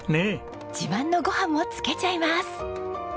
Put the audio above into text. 自慢のご飯もつけちゃいます。